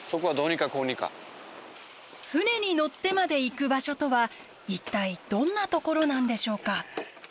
船に乗ってまで行く場所とは一体どんなところなんでしょうか。